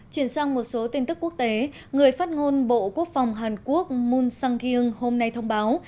chuyển sang một số tin tức quốc tế người phát ngôn bộ quốc phòng hàn quốc moon sang gyung hôm nay thông báo